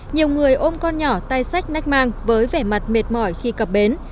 nhiều người ôm con nhỏ tay sách nách mang với vẻ mặt mệt mỏi khi cập bến